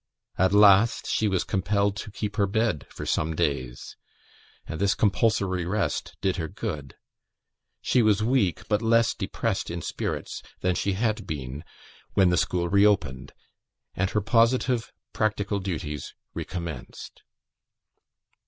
At last, she was compelled to keep her bed for some days, and this compulsory rest did her good. She was weak, but less depressed in spirits than she had been, when the school re opened, and her positive practical duties recommenced.